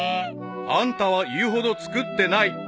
［あんたは言うほど作ってない］